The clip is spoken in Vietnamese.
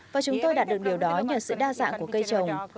và chúng tôi đạt được điều đó nhờ sự đa dạng của cây trồng